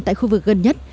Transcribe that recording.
tại khu vực gần nhất